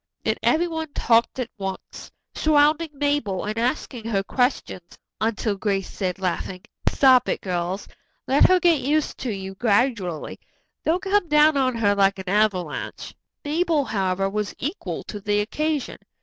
Then everyone talked at once, surrounding Mabel and asking her questions until Grace said, laughing: "Stop it, girls; let her get used to you gradually. Don't come down on her like an avalanche." Mabel, however, was equal to the occasion.